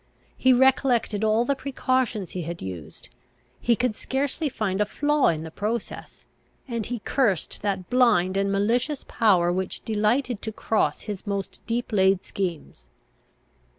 He recollected all the precautions he had used; he could scarcely find a flaw in the process; and he cursed that blind and malicious power which delighted to cross his most deep laid schemes.